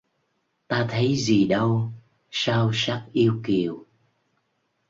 Ta thấy gì đâu sau sắc yêu kiều